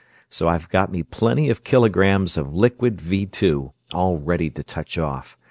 So I've got me plenty of kilograms of liquid Vee Two, all ready to touch off.